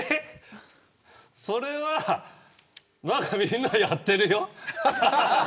それは何かみんなやってるよ。